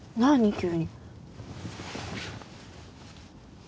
急に。